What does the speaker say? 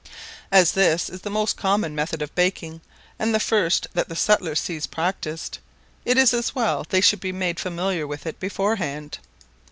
As this is the most common method of baking, and the first that a settler sees practised, it is as well they should be made familiar with it beforehand.